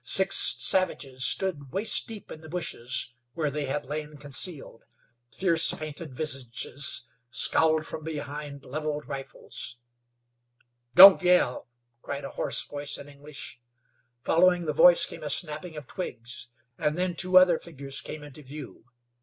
Six savages stood waist deep in the bushes, where they had lain concealed. Fierce, painted visages scowled from behind leveled rifles. "Don't yell!" cried a hoarse voice in English. Following the voice came a snapping of twigs, and then two other figures came into view.